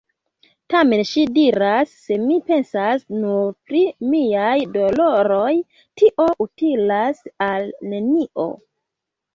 Tamen ŝi diras: “Se mi pensas nur pri miaj doloroj, tio utilas al nenio.